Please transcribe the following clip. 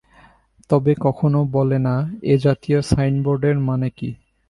তবে কখনো বলে না, এ জাতীয় সাইনবোর্ডের মানে কি?